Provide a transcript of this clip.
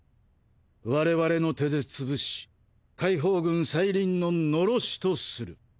我々の手で潰し解放軍再臨の狼煙とする。